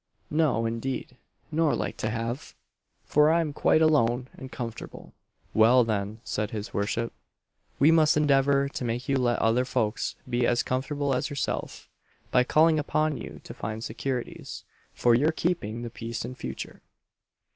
"No, indeed nor like to have; for I'm quite alone, and comfortable." "Well, then," said his worship, "we must endeavour to make you let other folks be as comfortable as yourself, by calling upon you to find securities for your keeping the peace in future."